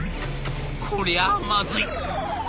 こりゃまずい。